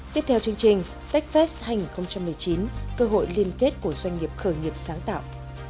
tiếp theo chương trình techfest hai nghìn một mươi chín cơ hội liên kết của doanh nghiệp khởi nghiệp sáng tạo